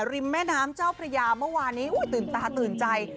แม่น้ำเจ้าพระยาเมื่อวานนี้ตื่นตาตื่นใจ